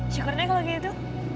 syukurnya kalau begitu